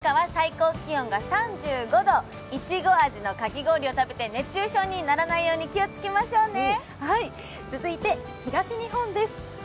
福岡は最高気温が３５度いちご味のかき氷を食べて熱中症にならないように気をつけましょうね。